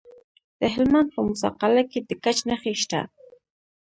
د هلمند په موسی قلعه کې د ګچ نښې شته.